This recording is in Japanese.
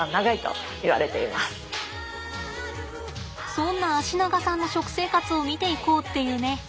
そんな脚長さんの食生活を見ていこうっていうね。